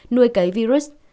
nuôi cấy virus